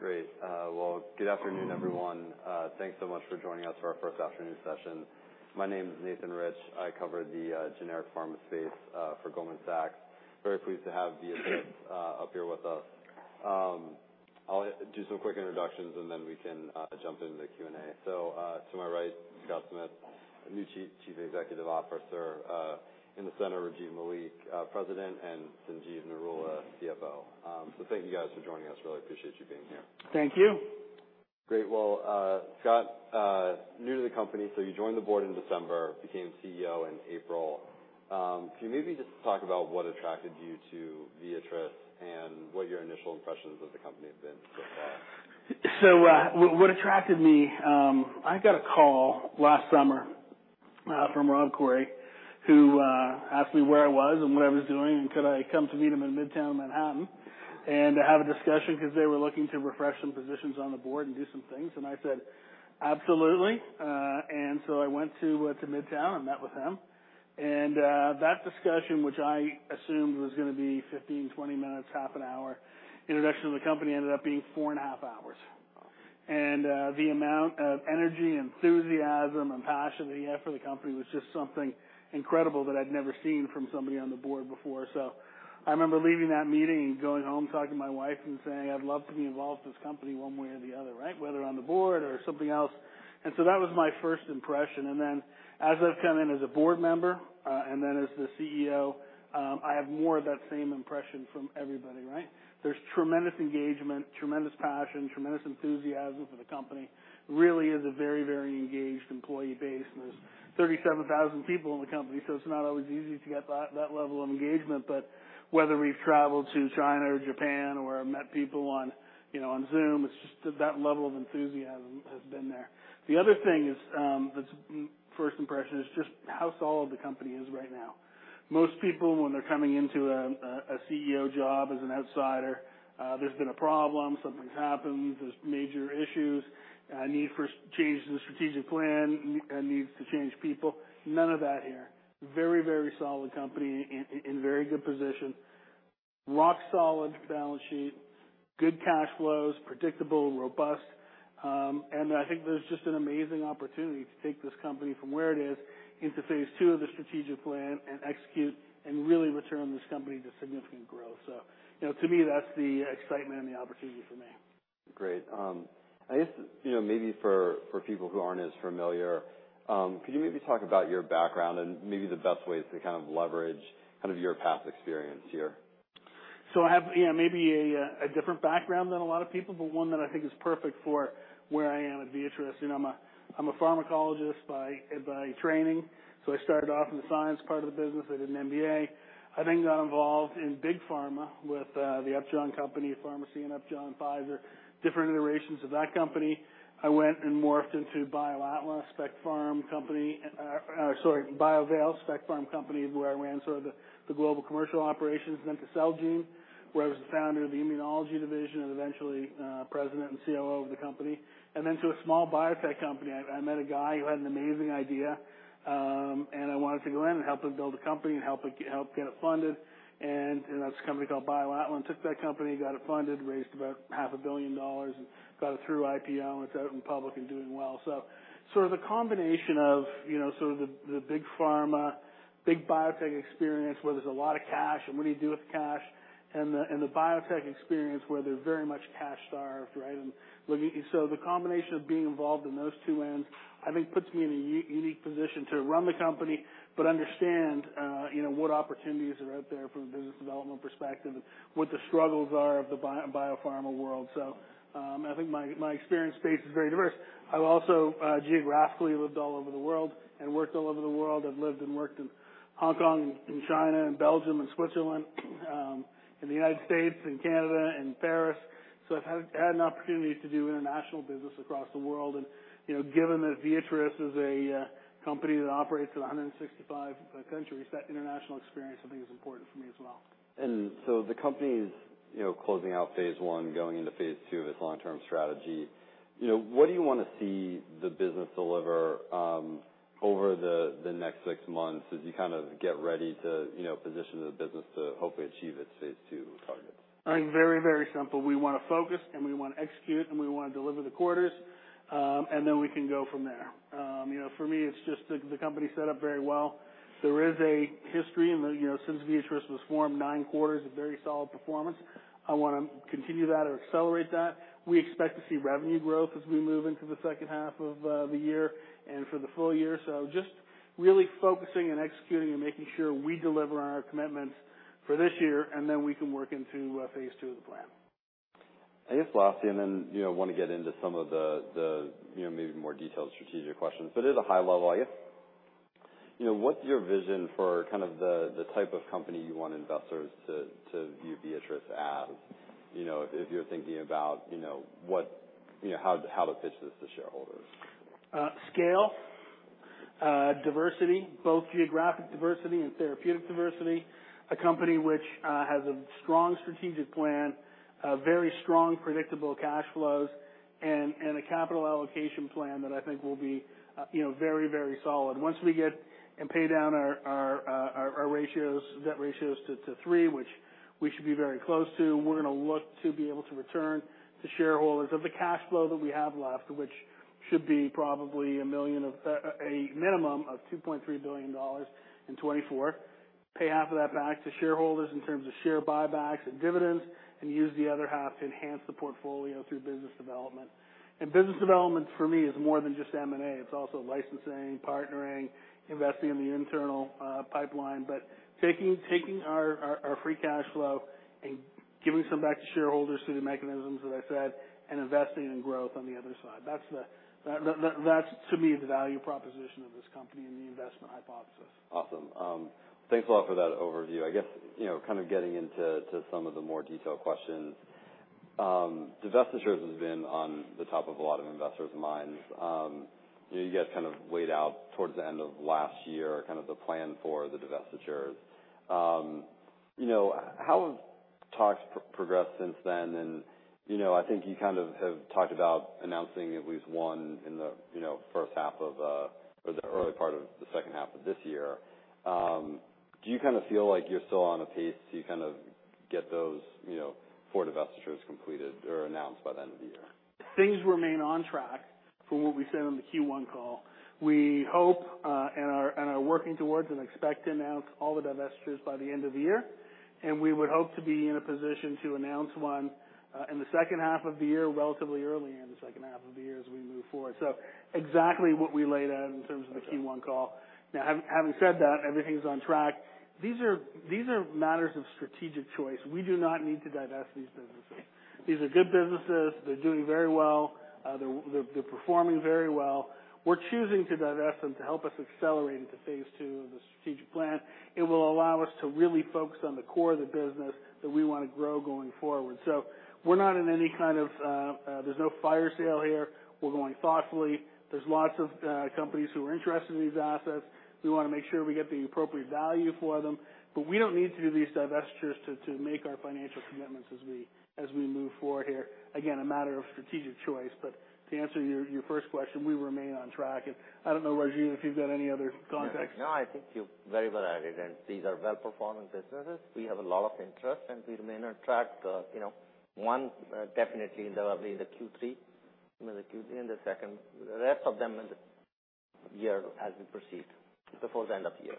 Great. Well, good afternoon, everyone. Thanks so much for joining us for our first afternoon session. My name is Nathan Rich. I cover the generic pharma space for Goldman Sachs. Very pleased to have Viatris up here with us. I'll just do some quick introductions, and then we can jump into the Q&A. To my right, Scott Smith, the new Chief Executive Officer. In the center, Rajiv Malik, President, and Sanjeev Narula, CFO. Thank you guys for joining us. Really appreciate you being here. Thank you. Great. Well, Scott, new to the company, so you joined the board in December, became CEO in April. Can you maybe just talk about what attracted you to Viatris and what your initial impressions of the company have been so far? What attracted me, I got a call last summer from Rob Coury, who asked me where I was and what I was doing, and could I come to meet him in Midtown Manhattan and to have a discussion because they were looking to refresh some positions on the board and do some things? I said, "Absolutely." I went to Midtown and met with him. That discussion, which I assumed was gonna be 15, 20 minutes, half an hour introduction to the company, ended up being four and a half hours. The amount of energy, enthusiasm, and passion that he had for the company was just something incredible that I'd never seen from somebody on the board before. I remember leaving that meeting and going home, talking to my wife and saying: I'd love to be involved with this company one way or the other, right? Whether on the board or something else. That was my first impression. Then as I've come in as a board member, and then as the CEO, I have more of that same impression from everybody, right? There's tremendous engagement, tremendous passion, tremendous enthusiasm for the company. Really is a very, very engaged employee base, and there's 37,000 people in the company, so it's not always easy to get that level of engagement. Whether we've traveled to China or Japan or met people on, you know, on Zoom, it's just that level of enthusiasm has been there. The other thing is, that's first impression, is just how solid the company is right now. Most people, when they're coming into a CEO job as an outsider, there's been a problem, something's happened, there's major issues, a need for change in the strategic plan, a need to change people. None of that here. Very solid company in very good position, rock solid balance sheet, good cash flows, predictable, robust. I think there's just an amazing opportunity to take this company from where it is into phase two of the strategic plan and execute and really return this company to significant growth. You know, to me, that's the excitement and the opportunity for me. Great. I guess, you know, maybe for people who aren't as familiar, could you maybe talk about your background and maybe the best ways to kind of leverage kind of your past experience here? I have, yeah, maybe a different background than a lot of people, but one that I think is perfect for where I am at Viatris. You know, I'm a pharmacologist by training. I started off in the science part of the business. I did an MBA. I then got involved in big pharma with the Upjohn Company, Pharmacia & Upjohn Pfizer, different iterations of that company. I went and morphed into BioAtla Spec Pharm Company, sorry, Biovail Spec Pharm Company, where I ran sort of the global commercial operations, then to Celgene, where I was the founder of the immunology division and eventually, president and COO of the company, and then to a small biotech company. I met a guy who had an amazing idea, and I wanted to go in and help him build a company and help get it funded. That's a company called BioAtla, took that company, got it funded, raised about half a billion dollars, got it through IPO, and it's out in public and doing well. Sort of a combination of, you know, sort of the big pharma, big biotech experience, where there's a lot of cash and what do you do with cash? The biotech experience, where they're very much cash starved, right? The combination of being involved in those two ends, I think, puts me in a unique position to run the company, but understand, you know, what opportunities are out there from a business development perspective, what the struggles are of the biopharma world. I think my experience base is very diverse. I've also geographically lived all over the world and worked all over the world. I've lived and worked in Hong Kong and China and Belgium and Switzerland, in the United States and Canada and Paris. I've had an opportunity to do international business across the world. You know, given that Viatris is a company that operates in 165 countries, that international experience I think is important for me as well. The company's, you know, closing out phase one, going into phase two of its long-term strategy. You know, what do you want to see the business deliver over the next six months as you kind of get ready to, you know, position the business to hopefully achieve its phase two targets? I think very, very simple. We want to focus, and we want to execute, and we want to deliver the quarters, and then we can go from there. You know, for me, it's just the company's set up very well. There is a history in the, you know, since Viatris was formed, nine quarters of very solid performance. I wanna continue that or accelerate that. We expect to see revenue growth as we move into the second half of the year and for the full year. Just really focusing and executing and making sure we deliver on our commitments for this year, and then we can work into phase two of the plan. I guess lastly, and then, you know, I want to get into some of the, you know, maybe more detailed strategic questions, but at a high level, I guess, you know, what's your vision for kind of the type of company you want investors to view Viatris as? You know, if you're thinking about, you know, how to pitch this to shareholders. Scale, diversity, both geographic diversity and therapeutic diversity, a company which has a strong strategic plan, a very strong, predictable cash flows, and a capital allocation plan that I think will be, you know, very, very solid. Once we get and pay down our ratios, debt ratios to 3, which we should be very close to, we're gonna look to be able to return to shareholders of the cash flow that we have left, which should be probably a minimum of $2.3 billion in 2024. Pay half of that back to shareholders in terms of share buybacks and dividends, and use the other half to enhance the portfolio through business development. Business development, for me, is more than just M&A. It's also licensing, partnering, investing in the internal pipeline. Taking our free cash flow and giving some back to shareholders through the mechanisms that I said, and investing in growth on the other side, that's to me, the value proposition of this company and the investment hypothesis. Awesome. Thanks a lot for that overview. I guess, you know, kind of getting into some of the more detailed questions. Divestitures has been on the top of a lot of investors' minds. You know, you got kind of laid out towards the end of last year, kind of the plan for the divestitures. You know, how have talks progressed since then? You know, I think you kind of have talked about announcing at least one in the, you know, first half of, or the early part of the second half of this year. Do you kind of feel like you're still on a pace to kind of get those, you know, four divestitures completed or announced by the end of the year? Things remain on track from what we said on the Q1 call. We hope and are working towards and expect to announce all the divestitures by the end of the year. We would hope to be in a position to announce one in the second half of the year, relatively early in the second half of the year as we move forward. Exactly what we laid out in terms of the Q1 call. Having said that, everything's on track. These are matters of strategic choice. We do not need to divest these businesses. These are good businesses. They're doing very well. They're performing very well. We're choosing to divest them to help us accelerate into phase two of the strategic plan. It will allow us to really focus on the core of the business that we want to grow going forward. We're not in any kind of, there's no fire sale here. We're going thoughtfully. There's lots of companies who are interested in these assets. We want to make sure we get the appropriate value for them, but we don't need to do these divestitures to make our financial commitments as we move forward here. Again, a matter of strategic choice. To answer your first question, we remain on track. I don't know, Raju, if you've got any other context. No, I think you're very well at it, and these are well-performing businesses. We have a lot of interest, and we remain on track. You know, one, definitely in the, probably in the Q3. The rest of them in the year as we proceed, before the end of the year.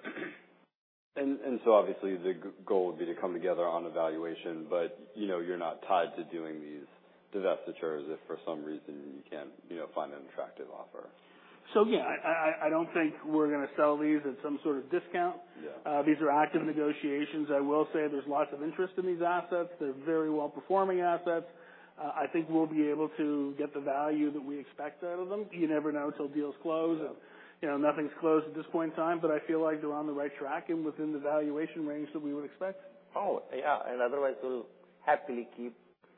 Obviously the goal would be to come together on the valuation, but you know, you're not tied to doing these divestitures if for some reason you can't, you know, find an attractive offer? Yeah, I don't think we're going to sell these at some sort of discount. Yeah. These are active negotiations. I will say there's lots of interest in these assets. They're very well-performing assets. I think we'll be able to get the value that we expect out of them. You never know until deals close. Yeah. You know, nothing's closed at this point in time, but I feel like they're on the right track and within the valuation range that we would expect. Oh, yeah, otherwise, we'll happily keep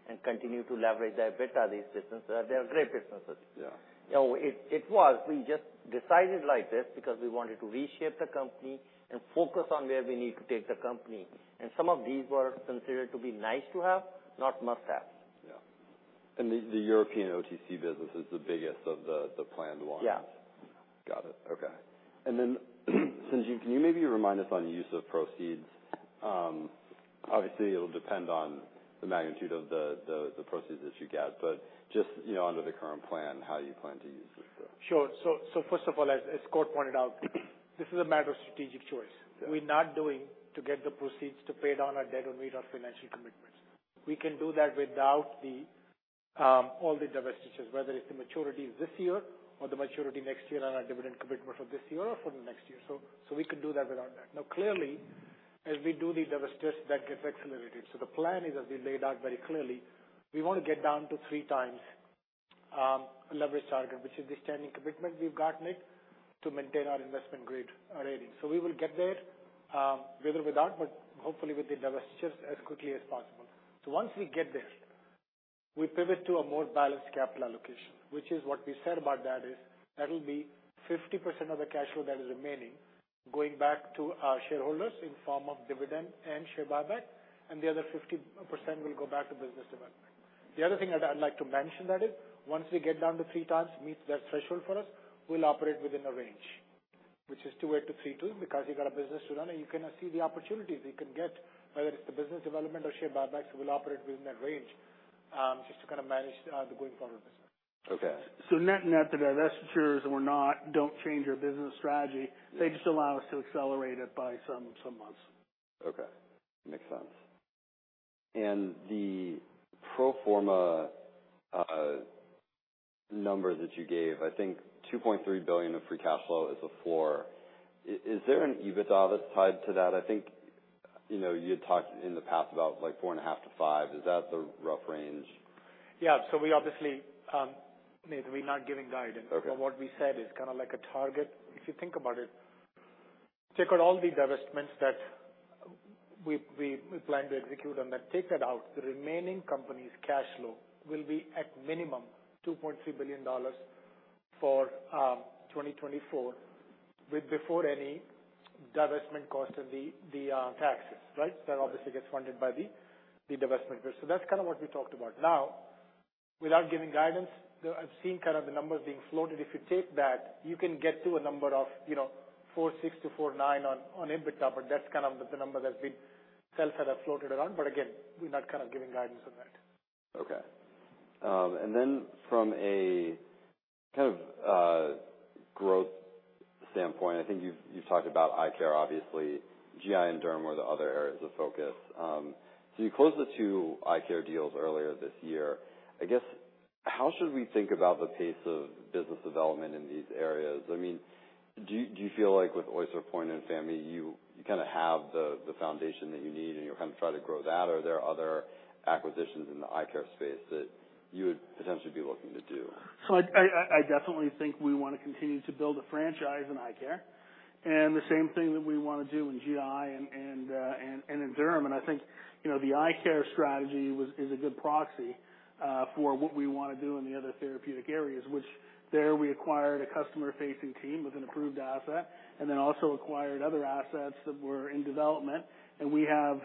and continue to leverage the EBITDA of these businesses. They are great businesses. Yeah. You know, it was, we just decided like this because we wanted to reshape the company and focus on where we need to take the company. Some of these were considered to be nice to have, not must have. Yeah. The, the European OTC business is the biggest of the planned ones? Yeah. Got it. Okay. Then, Sanjiv, can you maybe remind us on the use of proceeds? Obviously, it'll depend on the magnitude of the proceeds that you get, but just, you know, under the current plan, how you plan to use these funds? Sure. First of all, as Scott pointed out, this is a matter of strategic choice. Yeah. We're not doing to get the proceeds to pay down our debt or meet our financial commitments. We can do that without the all the divestitures, whether it's the maturity this year or the maturity next year, on our dividend commitment for this year or for the next year. We can do that without that. Now, clearly, as we do the divestitures, that gets accelerated. The plan is, as we laid out very clearly, we want to get down to 3x leverage target, which is the standing commitment we've gotten it to maintain our investment grade rating. We will get there, with or without, but hopefully with the divestitures as quickly as possible. Once we get there, we pivot to a more balanced capital allocation, which is what we said about that is, that will be 50% of the cash flow that is remaining, going back to our shareholders in form of dividend and share buyback, and the other 50% will go back to business development. The other thing that I'd like to mention, once we get down to 3x, meets that threshold for us, we'll operate within a range, which is 2-3, because you got a business to run, and you cannot see the opportunities you can get, whether it's the business development or share buybacks, we'll operate within that range, just to kind of manage the going forward business. Okay. net-net, the divestitures don't change your business strategy. Yeah. They just allow us to accelerate it by some months. Okay, makes sense. The pro forma number that you gave, I think $2.3 billion of free cash flow is a 4. Is there an EBITDA tied to that? I think, you know, you had talked in the past about like $4.5 billion-$5 billion. Is that the rough range? Yeah. We obviously, Nate, we're not giving guidance. Okay. What we said is kind of like a target. If you think about it, take out all the divestments that we plan to execute on that, take that out. The remaining company's cash flow will be at minimum, $2.3 billion for 2024, with before any divestment cost and the taxes, right? That obviously gets funded by the divestment business. That's kind of what we talked about. Now, without giving guidance, I've seen kind of the numbers being floated. If you take that, you can get to a number of, you know, $4.6 billion-$4.9 billion on EBITDA, but that's kind of the number that's been.... sales that have floated around, but again, we're not kind of giving guidance on that. From a kind of growth standpoint, I think you've talked about eye care, obviously. GI and derm are the other areas of focus. You closed the two eye care deals earlier this year. I guess, how should we think about the pace of business development in these areas? I mean, do you feel like with Oyster Point and Famy, you kind of have the foundation that you need, and you'll kind of try to grow that? Are there other acquisitions in the eye care space that you would potentially be looking to do? I definitely think we want to continue to build a franchise in eye care. The same thing that we want to do in GI and in derm. I think, you know, the eye care strategy is a good proxy for what we want to do in the other therapeutic areas, which there we acquired a customer-facing team with an approved asset and then also acquired other assets that were in development. We have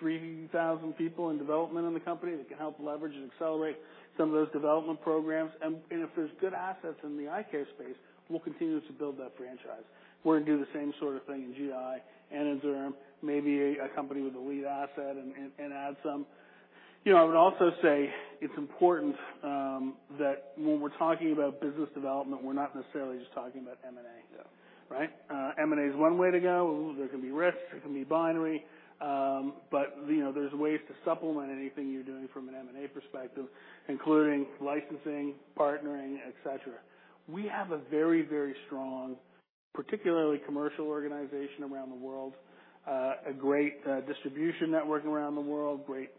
3,000 people in development in the company that can help leverage and accelerate some of those development programs. If there's good assets in the eye care space, we'll continue to build that franchise. We're going to do the same sort of thing in GI and in derm, maybe a company with a lead asset and add some. You know, I would also say it's important that when we're talking about business development, we're not necessarily just talking about M&A. Yeah. Right? M&A is one way to go. There can be risks, it can be binary, but, you know, there's ways to supplement anything you're doing from an M&A perspective, including licensing, partnering, et cetera. We have a very, very strong, particularly commercial organization around the world, a great distribution network around the world, great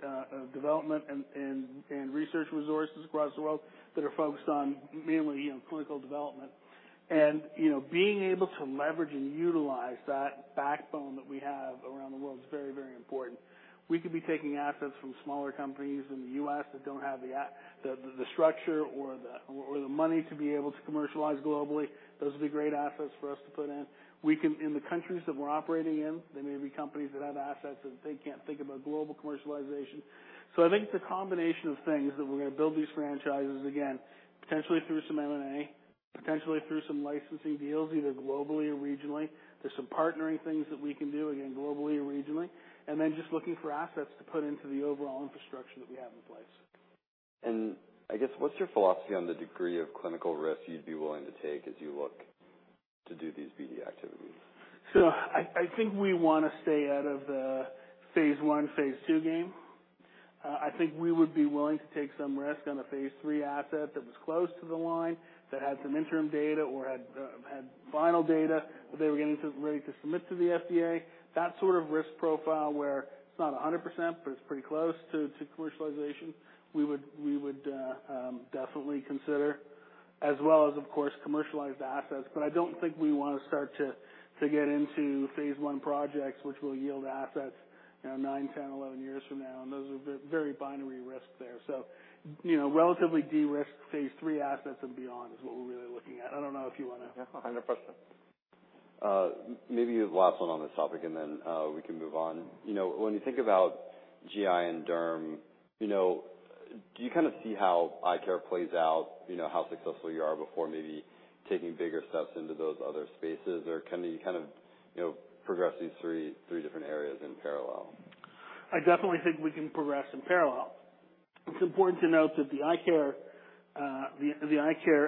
development and research resources across the world that are focused on mainly, you know, clinical development. You know, being able to leverage and utilize that backbone that we have around the world is very, very important. We could be taking assets from smaller companies in the U.S. that don't have the structure or the money to be able to commercialize globally. Those would be great assets for us to put in. In the countries that we're operating in, there may be companies that have assets that they can't think about global commercialization. I think it's a combination of things that we're going to build these franchises, again, potentially through some M&A, potentially through some licensing deals, either globally or regionally. There's some partnering things that we can do, again, globally or regionally. Then just looking for assets to put into the overall infrastructure that we have in place. I guess, what's your philosophy on the degree of clinical risk you'd be willing to take as you look to do these BD activities? I think we want to stay out of the phase one, phase two game. I think we would be willing to take some risk on a phase three asset that was close to the line, that had some interim data or had final data, that they were getting ready to submit to the FDA. That sort of risk profile, where it's not 100%, but it's pretty close to commercialization, we would definitely consider, as well as, of course, commercialized assets. I don't think we want to start to get into phase one projects, which will yield assets, you know, 9, 10, 11 years from now, and those are very binary risks there. You know, relatively de-risked phase three assets and beyond is what we're really looking at. I don't know if you want to. Yeah, 100%. Maybe the last one on this topic, and then we can move on. You know, when you think about GI and Derm, you know, do you kind of see how eye care plays out, you know, how successful you are before maybe taking bigger steps into those other spaces? Can you kind of, you know, progress these three different areas in parallel? I definitely think we can progress in parallel. It's important to note that the eye care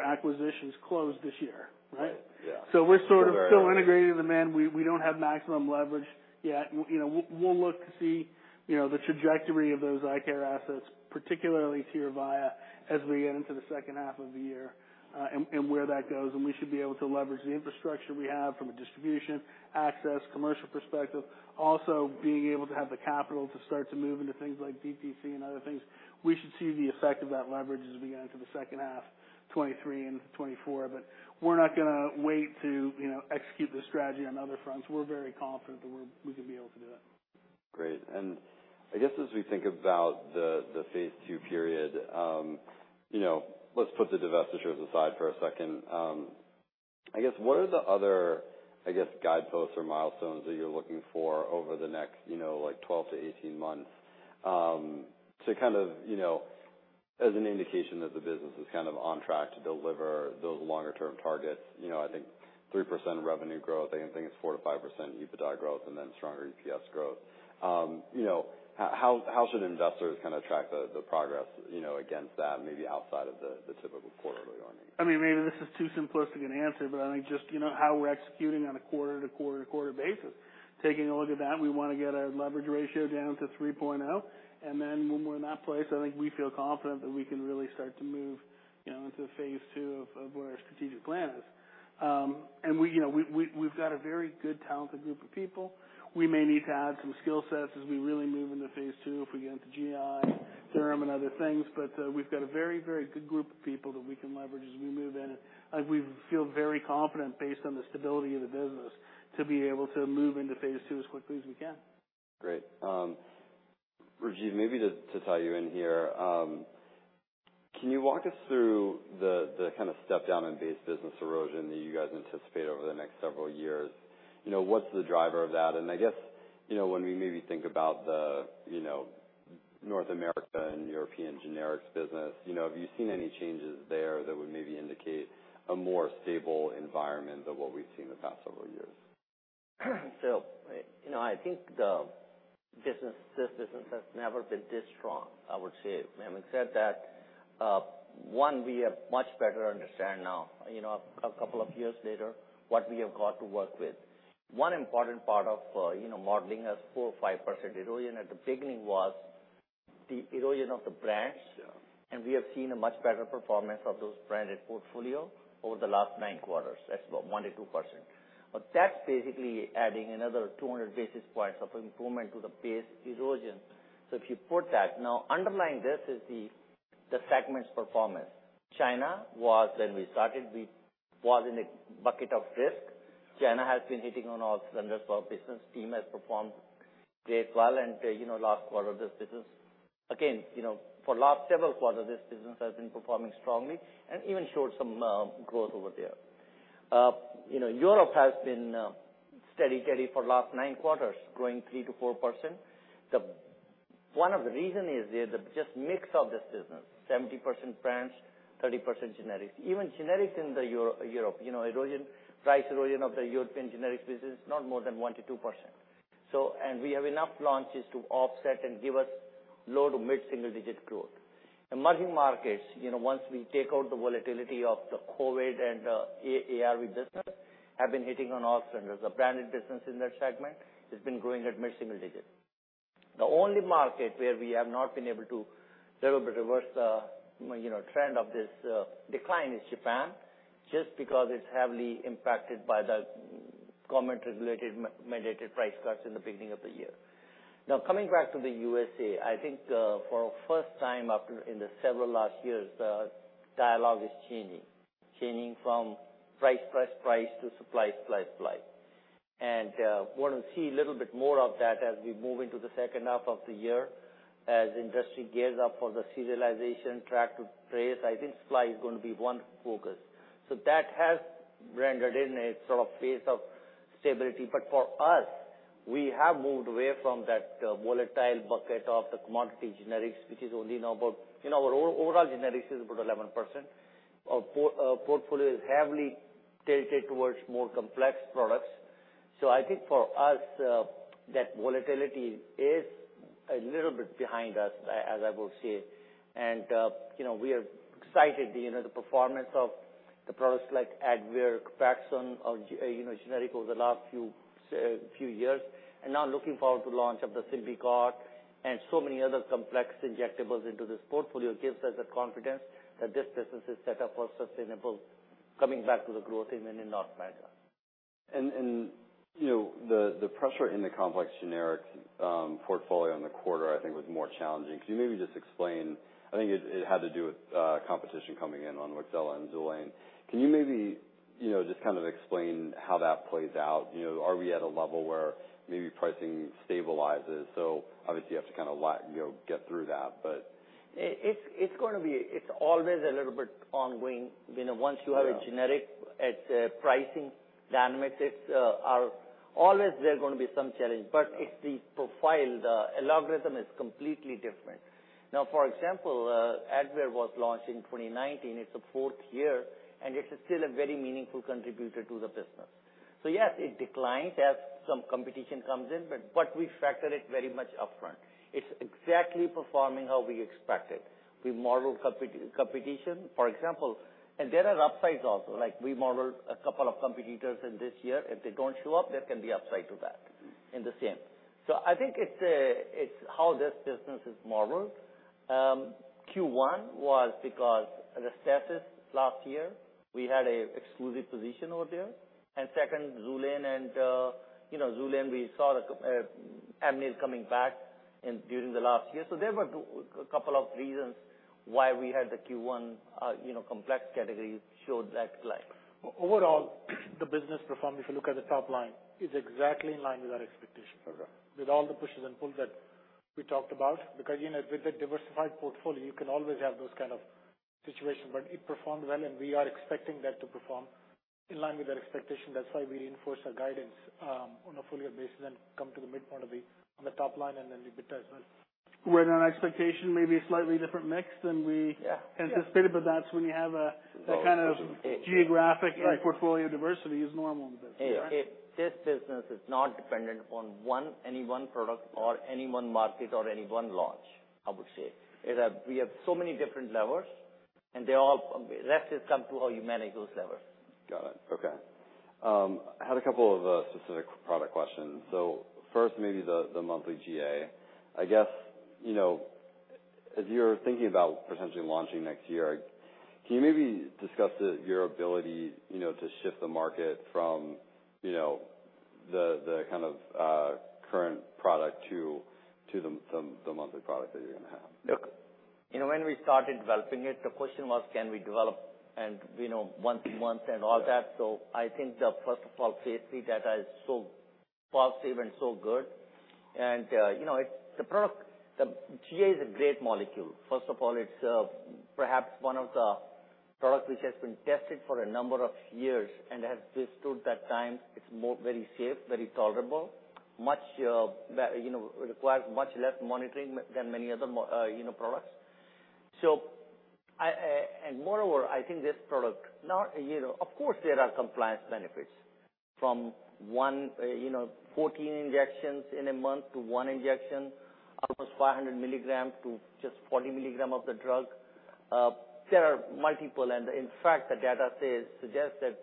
acquisitions closed this year, right? Right. Yeah. We're sort of still integrating them in. We don't have maximum leverage yet. We, you know, we'll look to see, you know, the trajectory of those eye care assets, particularly Tyrvaya, as we get into the second half of the year, and where that goes. We should be able to leverage the infrastructure we have from a distribution, access, commercial perspective. Also, being able to have the capital to start to move into things like DTC and other things. We should see the effect of that leverage as we get into the second half 2023 and 2024. We're not going to wait to, you know, execute the strategy on other fronts. We're very confident that we can be able to do that. Great. I guess, as we think about the phase two period, you know, let's put the divestitures aside for a second. I guess, what are the other, I guess, guideposts or milestones that you're looking for over the next, you know, like 12 to 18 months, to kind of, you know, as an indication that the business is kind of on track to deliver those longer term targets? You know, I think 3% revenue growth, I think it's 4%-5% EBITDA growth and then stronger EPS growth. You know, how should investors kind of track the progress, you know, against that, maybe outside of the typical quarterly earnings? I mean, maybe this is too simplistic an answer, but I think just, you know, how we're executing on a quarter to quarter to quarter basis. Taking a look at that, we want to get our leverage ratio down to 3.0. When we're in that place, I think we feel confident that we can really start to move, you know, into phase II of where our strategic plan is. And we, you know, we've got a very good, talented group of people. We may need to add some skill sets as we really move into phase II, if we get into GI, derm, and other things. We've got a very, very good group of people that we can leverage as we move in. We feel very confident, based on the stability of the business, to be able to move into phase II as quickly as we can. Great. Rajiv, maybe to tie you in here. Can you walk us through the kind of step-down in base business erosion that you guys anticipate over the next several years? You know, what's the driver of that? I guess, you know, when we maybe think about the North America and European Generics business, you know, have you seen any changes there that would maybe indicate a more stable environment than what we've seen in the past several years? You know, I think the business, this business has never been this strong, I would say. Having said that, one, we have much better understand now, you know, a couple of years later, what we have got to work with. One important part of, you know, modeling as 4% or 5% erosion at the beginning was the erosion of the brands, and we have seen a much better performance of those branded portfolio over the last 9 quarters. That's about 1%-2%. That's basically adding another 200 basis points of improvement to the base erosion. If you put that, now underlying this is the segment's performance. China was, when we started, was in a bucket of risk. China has been hitting on all cylinders for our business. Team has performed very well, you know, last quarter, this business, again, you know, for last several quarters, this business has been performing strongly and even showed some growth over there. You know, Europe has been steady for last 9 quarters, growing 3%-4%. One of the reason is the just mix of this business, 70% brands, 30% generics. Even generics in Europe, you know, erosion, price erosion of the European generic business is not more than 1%-2%. We have enough launches to offset and give us low to mid-single digit growth. Emerging markets, you know, once we take out the volatility of the COVID and ARV business, have been hitting on all cylinders. The branded business in that segment has been growing at mid-single digit. The only market where we have not been able to little bit reverse the, you know, trend of this, decline is Japan, just because it's heavily impacted by the government-regulated, mandated price cuts in the beginning of the year. Now, coming back to the USA, I think, for first time after in the several last years, the dialogue is changing. Changing from price, price to supply, supply. We're gonna see a little bit more of that as we move into the second half of the year, as industry gears up for the serialization track and trace, I think supply is going to be one focus. That has rendered in a sort of phase of stability. For us, we have moved away from that volatile bucket of the commodity generics, which is only now about, you know, our overall generics is about 11%. Our portfolio is heavily tilted towards more complex products. I think for us, that volatility is a little bit behind us, as I would say. We are excited. You know, the performance of the products like Abevmy, Ryzumvi, or, you know, generic over the last few years, and now looking forward to launch of the Symbicort and so many other complex injectables into this portfolio, gives us the confidence that this business is set up for sustainable, coming back to the growth in the North America. You know, the pressure in the complex generic portfolio in the quarter, I think, was more challenging. Can you maybe just explain? I think it had to do with competition coming in on Rexulti and Zytiga. Can you maybe, you know, just kind of explain how that plays out? You know, are we at a level where maybe pricing stabilizes? Obviously, you have to kind of you know, get through that. It's going to be, it's always a little bit ongoing. You know. Yeah A generic, its pricing dynamics, are always there going to be some challenge. Yeah. It's the profile, the algorithm is completely different. Now, for example, Abevmy was launched in 2019. It's the fourth year, it is still a very meaningful contributor to the business. Yes, it declined as some competition comes in, but we factor it very much upfront. It's exactly performing how we expected. We model competition, for example... There are upsides also, like we modeled a couple of competitors in this year. If they don't show up, there can be upside to that in the same. I think it's how this business is modeled. Q1 was because the status last year, we had a exclusive position over there. Second, Zytiga and, you know, Zytiga, we saw the Amneal coming back in during the last year. There were a couple of reasons why we had the Q1, you know, complex category showed that slide. Overall, the business performance, if you look at the top line, is exactly in line with our expectations. Okay. With all the pushes and pulls that we talked about, because, you know, with a diversified portfolio, you can always have those kind of situations, but it performed well, and we are expecting that to perform in line with our expectation. That's why we reinforced our guidance on a full year basis and come to the midpoint of the, on the top line and then EBITDA as well. Where our expectation may be a slightly different mix than. Yeah. anticipated, but that's when you have. Well, kind of geographic. Right. Portfolio diversity is normal with this, right? This business is not dependent on any one product or any one market or any one launch, I would say. We have so many different levers, rest has come to how you manage those levers. Got it. Okay. I had a couple of specific product questions. First, maybe the monthly GA. I guess, you know, as you're thinking about potentially launching next year, can you maybe discuss your ability, you know, to shift the market from, you know, the kind of current product to the monthly product that you're going to have? Look, you know, when we started developing it, the question was, can we develop and, you know, once a month and all that? Yeah. I think first of all, phase III data is so positive and so good. You know, the product, the GA is a great molecule. First of all, it's, perhaps one of the product which has been tested for a number of years and has withstood that time. It's very safe, very tolerable, much, you know, requires much less monitoring than many other, you know, products. Moreover, I think this product, now, you know, of course, there are compliance benefits from one, you know, 14 injections in a month to one injection, almost 500 mg to just 40 mg of the drug. There are multiple, in fact, the data suggests that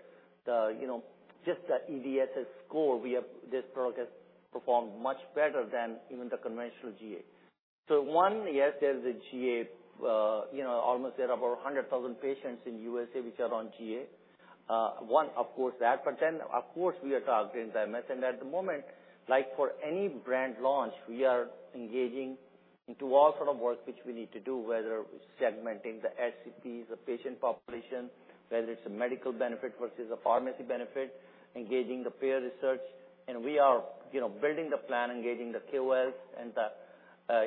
the, you know, just the EDSS score, this product has performed much better than even the conventional GA. one, yes, there's a GA, you know, almost there are about 100,000 patients in USA which are on GA. one, of course, that, of course, we are talking enzyme, and at the moment, like for any brand launch, we are engaging into all sort of work which we need to do, whether it's segmenting the SCPs, the patient population, whether it's a medical benefit versus a pharmacy benefit, engaging the peer research. We are, you know, building the plan, engaging the KOLs and the,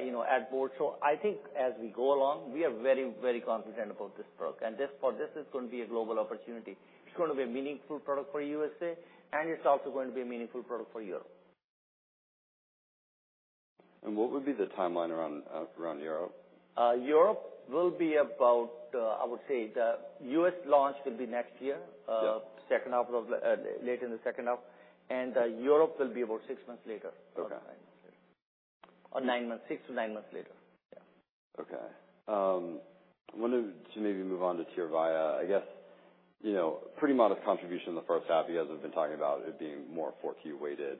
you know, ad board. I think as we go along, we are very, very confident about this product. this, for this is going to be a global opportunity. It's going to be a meaningful product for USA, and it's also going to be a meaningful product for Europe. what would be the timeline around Europe? Europe will be about, I would say, the U.S. launch will be next year. Yeah. Late in the second half, and Europe will be about six months later. Okay. Nine months. Six to nine months later. Yeah. Okay. wanted to maybe move on to Tyrvaya. I guess, you know, pretty modest contribution in the first half. You guys have been talking about it being more 4Q weighted.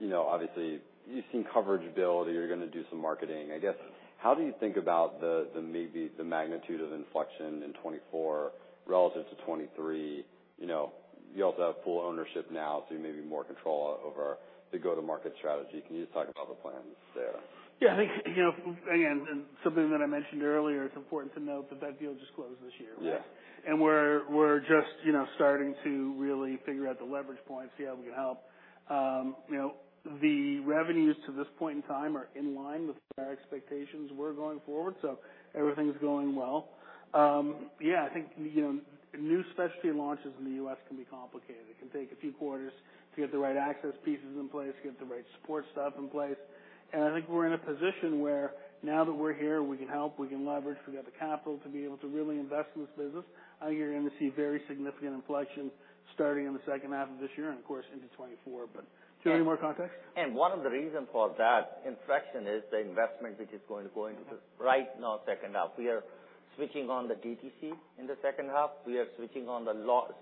you know, obviously, you've seen coverage build, you're gonna do some marketing. I guess, how do you think about the maybe the magnitude of inflection in 2024 relative to 2023? You know, you also have full ownership now, so you may be more in control over the go-to-market strategy. Can you just talk about the plans there? Yeah, I think, you know, again, and something that I mentioned earlier, it's important to note that that deal just closed this year. Yeah. We're just, you know, starting to really figure out the leverage points, see how we can help. You know, the revenues to this point in time are in line with our expectations were going forward, so everything's going well. Yeah, I think, you know, new specialty launches in the U.S. can be complicated. It can take a few quarters to get the right access pieces in place, get the right support staff in place. I think we're in a position where now that we're here, we can help, we can leverage, we got the capital to be able to really invest in this business. I think you're going to see very significant inflection starting in the second half of this year and, of course, into 2024. Do you want any more context? One of the reasons for that inflection is the investment, which is going to go into this right now, second half. We are switching on the DTC in the second half. We are switching on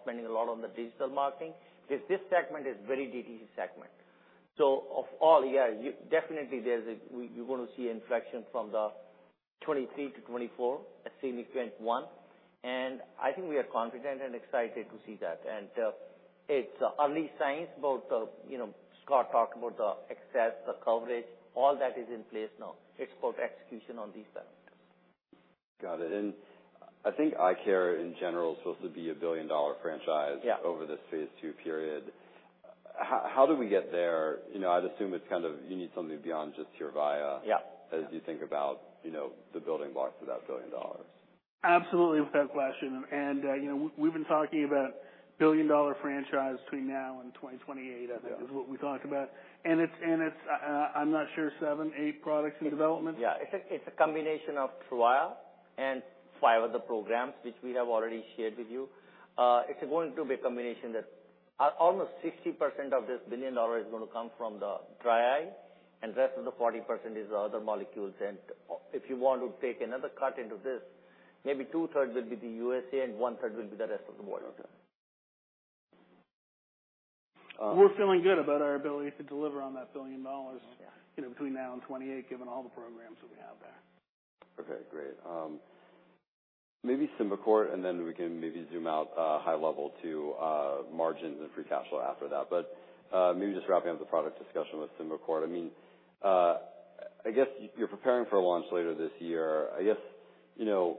spending a lot on the digital marketing, because this segment is very DTC segment. We're going to see inflection from 2023 to 2024, assuming 2021. I think we are confident and excited to see that. It's early signs, both of, you know, Scott talked about the access, the coverage, all that is in place now. It's about execution on these segments. Got it. I think eye care, in general, is supposed to be a billion-dollar franchise. Yeah. over this phase II period. How do we get there? You know, I'd assume it's kind of, you need something beyond just Tyrvaya. Yeah. As you think about, you know, the building blocks to that $1 billion. Absolutely, without question. you know, we've been talking about billion-dollar franchise between now and 2028. Yeah. I think is what we talked about. It's, I'm not sure, seven, eight products in development? Yeah. It's a combination of Tyrvaya and five other programs which we have already shared with you. It's going to be a combination that almost 60% of this $1 billion is going to come from the dry eye, Rest of the 40% is the other molecules. If you want to take another cut into this, maybe two-thirds will be the USA, one-third will be the rest of the world. Okay. We're feeling good about our ability to deliver on that $1 billion. Yeah. you know, between now and 2028, given all the programs that we have there. Okay, great. Maybe Symbicort, then we can maybe zoom out high level to margins and free cash flow after that. Maybe just wrapping up the product discussion with Symbicort. I mean; I guess you're preparing for a launch later this year. I guess, you know,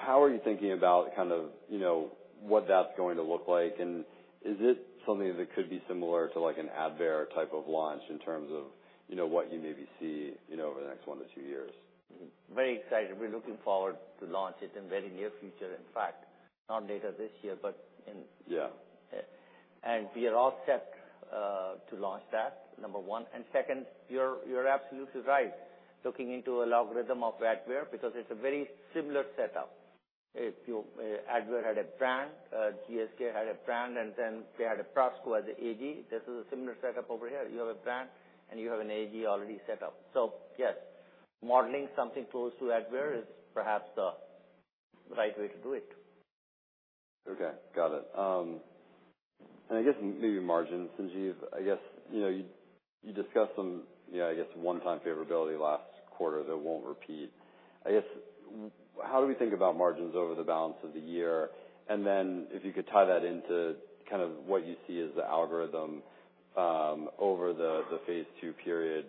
how are you thinking about kind of, you know, what that's going to look like? Is it something that could be similar to, like an Advair type of launch in terms of, you know, what you maybe see, you know, over the next one to two years? Very excited. We're looking forward to launching it in very near future. In fact, not later this year, but in. Yeah. We are all set to launch that, 1. Second, you're absolutely right. Looking into an algorithm of Advair, because it's a very similar setup. Advair had a brand, GSK had a brand, and then they had a Prasco as an AG. This is a similar setup over here. You have a brand, and you have an AG already set up. Yes, modeling something close to Advair is perhaps the right way to do it. Okay, got it. I guess maybe margins, since you've. I guess, you know, you discussed some, you know, I guess, one-time favorability last quarter that won't repeat. I guess, how do we think about margins over the balance of the year? Then if you could tie that into kind of what you see as the algorithm over the phase II period,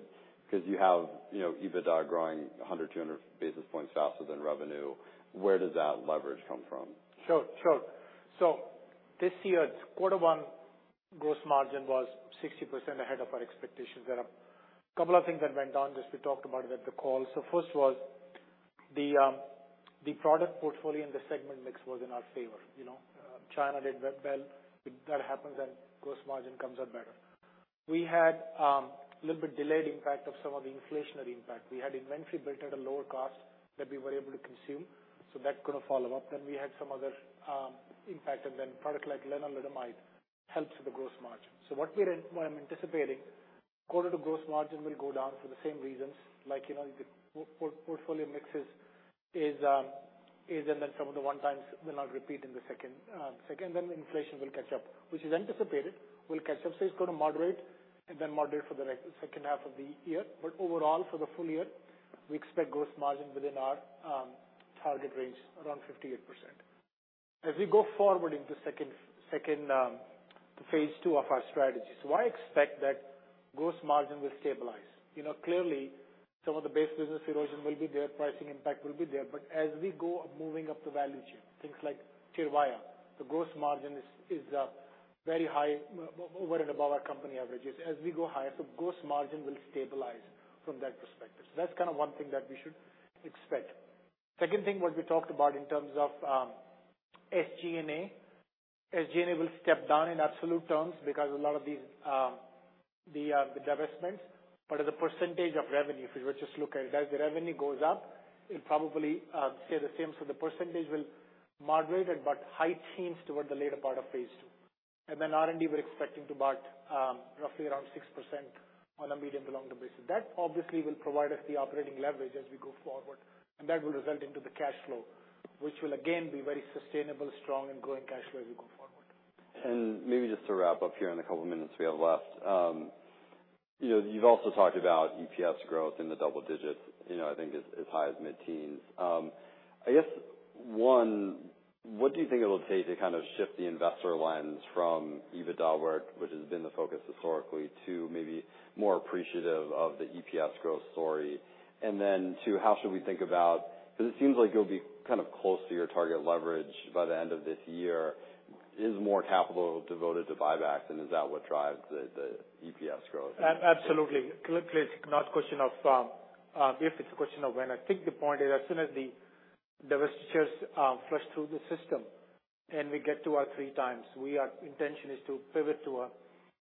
because you have, you know, EBITDA growing 100, 200 basis points faster than revenue. Where does that leverage come from? Sure, sure. This year, quarter one gross margin was 60% ahead of our expectations. Couple of things that went on, just we talked about it at the call. First was the product portfolio, and the segment mix was in our favor. You know, China did well. If that happens, gross margin comes out better. We had a little bit delayed impact of some of the inflationary impact. We had inventory built at a lower cost that we were able to consume, so that could have follow up. We had some other impact, and product like lenalidomide helps the gross margin. What I'm anticipating, quarter to gross margin will go down for the same reasons, like, you know, the portfolio mix is and some of the 1x will not repeat in the second. Inflation will catch up, which is anticipated, will catch up. It's going to moderate and then moderate for the rest second half of the year. Overall, for the full year, we expect gross margin within our target range around 58%. As we go forward into second phase II of our strategy, I expect that gross margin will stabilize. You know, clearly, some of the base business erosion will be there, pricing impact will be there, but as we go moving up the value chain, things like Tyrvaya, the gross margin is very high, over and above our company averages. As we go higher, gross margin will stabilize from that perspective. That's kind of one thing that we should expect. Second thing, what we talked about in terms of SG&A, SG&A will step down in absolute terms because a lot of these the divestments. As a percentage of revenue, if you were just to look at it, as the revenue goes up, it probably stay the same. The percentage will moderate but heightens towards the later part of phase II. R&D, we're expecting to about roughly around 6% on a medium to long-term basis. That obviously will provide us the operating leverage as we go forward, and that will result into the cash flow, which will again, be very sustainable, strong and growing cash flow as we go forward. Maybe just to wrap up here in the couple of minutes we have left. you know, you've also talked about EPS growth in the double digits, you know, I think as high as mid-teens. I guess, one, what do you think it will take to kind of shift the investor lens from EBITDA work, which has been the focus historically, to maybe more appreciative of the EPS growth story? Then, two, how should we think about... Because it seems like you'll be kind of close to your target leverage by the end of this year. Is more capital devoted to buybacks, and is that what drives the EPS growth? Absolutely. Clearly, it's not a question of if, it's a question of when. I think the point is, as soon as the divestitures flush through the system and we get to our 3x, we are intention is to pivot to a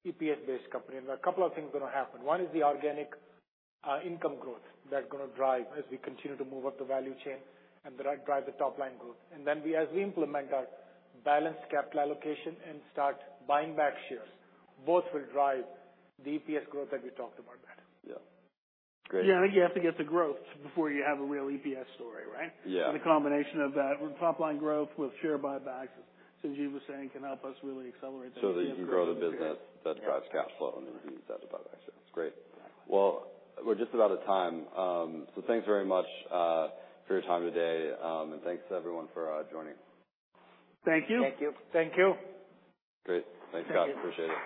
EPS-based company. A couple of things are going to happen. One is the organic income growth that gonna drive as we continue to move up the value chain and that drive the top line growth. Then as we implement our balanced capital allocation and start buying back shares, both will drive the EPS growth that we talked about. Yeah. Great. Yeah, you have to get the growth before you have a real EPS story, right? Yeah. The combination of that top line growth with share buybacks, Sanjiv was saying, can help us really accelerate. That you can grow the business that drives cash flow and then use that to buy back shares. Great. We're just about out of time. Thanks very much for your time today, and thanks to everyone for joining. Thank you. Thank you. Thank you. Great. Thanks, guys. Appreciate it.